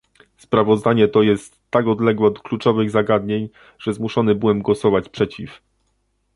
Sprawozdanie to jest tak odległe od kluczowych zagadnień, że zmuszony byłem głosować przeciw